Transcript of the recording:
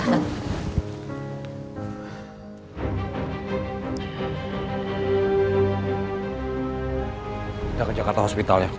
kita ke jakarta hospitalnya